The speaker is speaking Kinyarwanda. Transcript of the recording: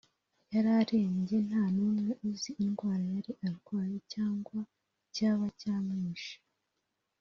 yararembye nta numwe uzi indwara yari arwaye cyangwa icyaba cyamwishe